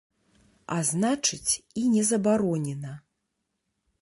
А значыць, і не забаронена.